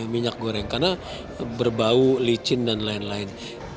minyak goreng karena berbau licin dan lain lain